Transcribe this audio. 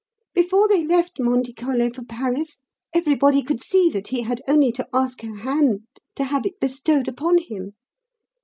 Before they left Monte Carlo for Paris everybody could see that he had only to ask her hand, to have it bestowed upon him.